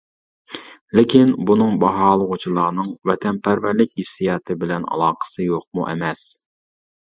لېكىن، بۇنىڭ باھالىغۇچىلارنىڭ ۋەتەنپەرۋەرلىك ھېسسىياتى بىلەن ئالاقىسى يوقمۇ ئەمەس.